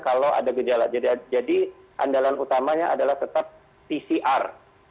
kalau ada gejala jadi andalan utamanya adalah tetap pcr